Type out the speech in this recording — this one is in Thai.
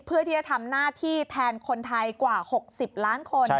เพื่อที่จะทำหน้าที่แทนคนไทยกว่า๖๐ล้านคน